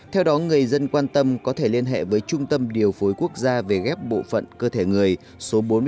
theo đó người dân quan tâm có thể liên hệ với trung tâm điều phối quốc gia về ghép bộ phận cơ thể người số bốn mươi tám